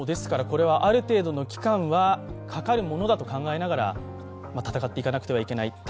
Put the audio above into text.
これはある程度の期間はかかるものだと考えながら闘っていかなければいけない。